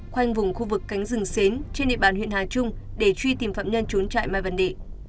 khoanh vùng khu vực cánh rừng xín trên địa bàn huyện hà trung để truy tìm phạm nhân trốn trại mai văn đệ